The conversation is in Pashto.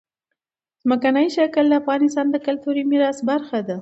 ځمکنی شکل د افغانستان د کلتوري میراث برخه ده.